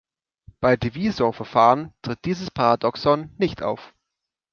Bei Divisorverfahren tritt dieses Paradoxon nicht auf.